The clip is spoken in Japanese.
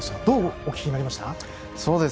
どうお聞きになりました？